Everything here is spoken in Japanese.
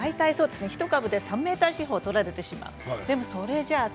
１株で３ｍ四方取られてしまいます。